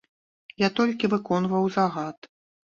Я толькі выконваў загад.